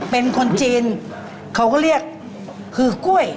เป็นคนจีนเขาก็เรียกคือกล้วย